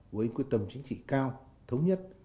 với quyết tâm chính trị cao thống nhất